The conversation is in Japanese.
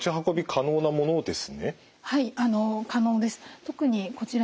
可能です。